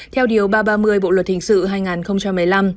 theo điều ba trăm ba mươi bộ luật hình sự hai nghìn một mươi năm